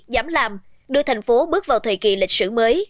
dám làm đưa thành phố bước vào thời kỳ lịch sử mới